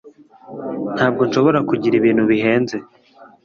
ntabwo rero nshobora kugira ibintu bihenze